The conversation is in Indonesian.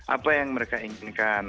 apa yang mereka inginkan